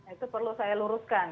itu perlu saya luruskan